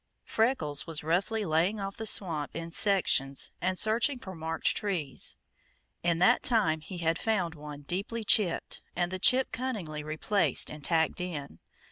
Freckles was roughly laying off the swamp in sections and searching for marked trees. In that time he had found one deeply chipped and the chip cunningly replaced and tacked in.